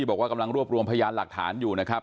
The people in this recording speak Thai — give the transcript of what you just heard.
บอกว่ากำลังรวบรวมพยานหลักฐานอยู่นะครับ